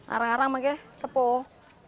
arang arang makanya sepoh